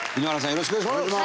よろしくお願いします。